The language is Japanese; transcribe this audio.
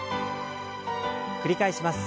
繰り返します。